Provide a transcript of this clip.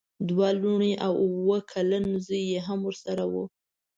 دوه لوڼې او اوه کلن زوی یې هم ورسره وو.